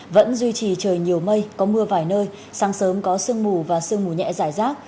vẫn duy trì trời nhiều mây có mưa vài nơi sáng sớm có sương mù và sương mù nhẹ giải rác